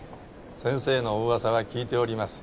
先生のお噂は聞いております。